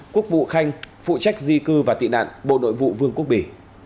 quốc vụ khanh phụ trách di cư và tị nạn bộ nội vụ vương quốc bỉ